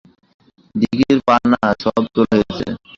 দিঘির পানা সব তোলা হয়েছে।